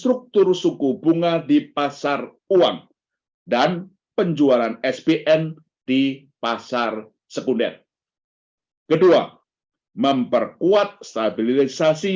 struktur suku bunga di pasar uang dan penjualan spn di pasar sekunder kedua memperkuat stabilisasi